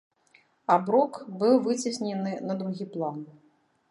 Аброк быў выцеснены на другі план.